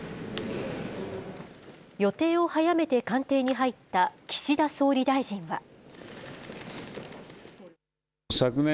予定を早めて官邸に入った岸田総理大臣は。